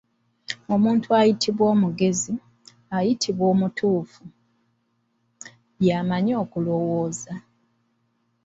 Omuntu ayitibwa omugezi, ayitibwa omutuufu, y'amanyi okulowooza.